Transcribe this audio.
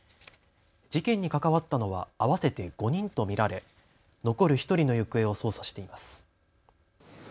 事件に関わったのは合わせて５人と見られ残る１人の行方を捜査しています。